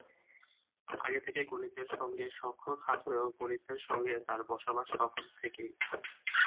আগে থেকে গণিতের সঙ্গে সখ্য থাকলেও গণিতের সঙ্গে তাঁর বসবাস তখন থেকেই।